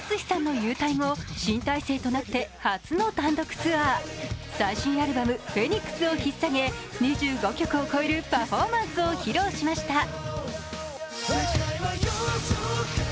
ＡＴＳＵＳＨＩさんの勇退後、新体制となって初の単独ツアー最新アルバム「ＰＨＯＥＮＩＸ」をひっさげ２５曲を超えるパフォーマンスを披露しました。